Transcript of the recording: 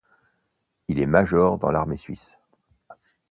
Il est major dans l'Armée suisse.